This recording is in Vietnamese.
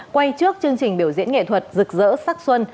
quay trước chương trình biểu diễn nghệ thuật rực rỡ sắc xuân